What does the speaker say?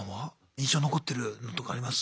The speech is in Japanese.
印象に残ってるのとかあります？